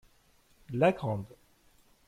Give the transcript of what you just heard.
La grande.